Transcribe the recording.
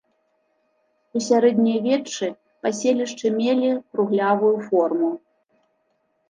У сярэднявеччы паселішчы мелі круглявую форму.